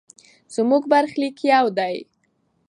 زموږ برخلیک یو دی.